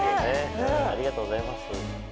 ありがとうございます。